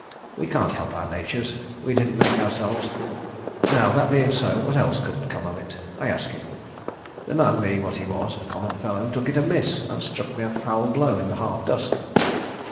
We can't help our natures. We didn't make ourselves. Now that being so, what else could come of it? I ask you. The man being what he was, a common fellow, took it amiss, and struck me a foul blow in the half dusk."